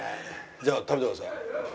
じゃあ食べてください。